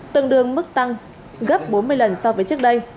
tương đương mức tăng gấp bốn mươi lần so với trước đây